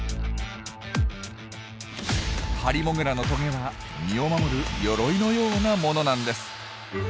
ハリモグラのトゲは身を守る鎧のようなものなんです。